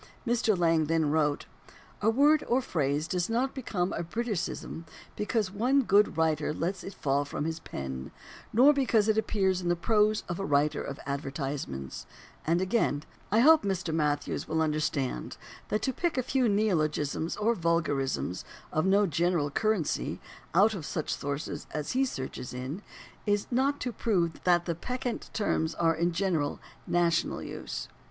Mr. Lang then wrote: "A word or a phrase does not become a Briticism because one good writer lets it fall from his pen, nor because it appears in the prose of a writer of advertisements"; and again: "I hope Mr. Matthews will understand that to pick a few neologisms or vulgarisms of no general currency out of such sources as he searches in is not to prove that the peccant terms are in general national use."